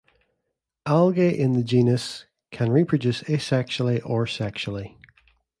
Algae in the genus can reproduce asexually or sexually.